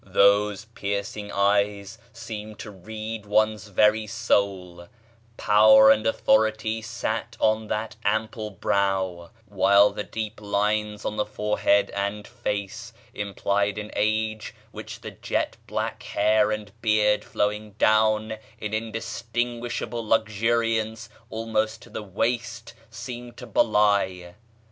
Those piercing eyes seemed to read one's very soul; power [page xl] and authority sat on that ample brow; while the deep lines on the forehead and face implied an age which the jet black hair and beard flowing down in indistinguishable luxuriance almost to the waist seemed to belie.